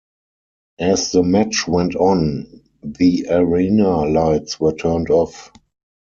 As the match went on, the arena lights were turned off.